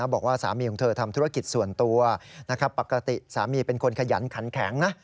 บอกว่าสามีของเธอทำธุรกิจส่วนตัวปกติสามีเป็นคนขยันขันแข็งนะ